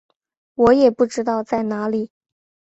我也不知道在哪里